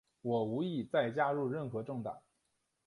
我无意再加入任何政党。